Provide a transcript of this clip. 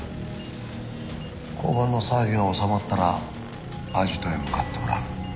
交番の騒ぎが収まったらアジトへ向かってもらう。